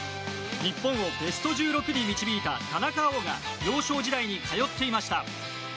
日本をベスト１６に導いた田中碧が幼少時代に通っていました。